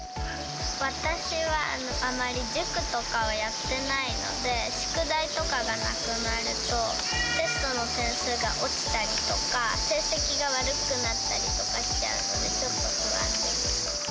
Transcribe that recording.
私はあまり塾とかをやってないので、宿題とかがなくなると、テストの点数が落ちたりとか、成績が悪くなったりとかしちゃうので、ちょっと不安です。